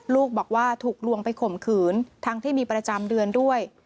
ลูกบอกว่าถูกลวงไปข่มขืนทั้งที่มีประจำเดือนด้วย